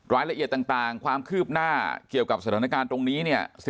รายละเอียดต่างความคืบหน้าเกี่ยวกับสถานการณ์ตรงนี้เนี่ย